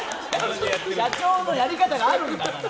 社長のやり方があるから。